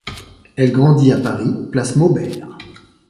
Elle grandit à Paris, place Maubert.